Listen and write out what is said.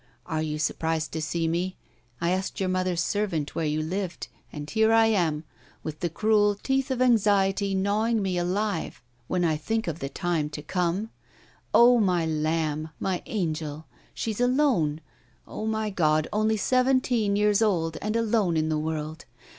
Are you surprised to see me? I asked your mother's servants where you lived; and here I am with the cruel teeth of anxiety gnawing me alive when I think of the time to come. Oh, my lamb! my angel! she's alone. Oh, my God, only seventeen years old, and alone in the world!